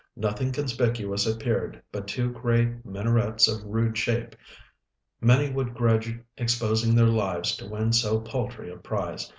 "Nothing conspicuous appeared but two gray minarets of rude shape. Many would grudge exposing their lives to win so paltry a prize.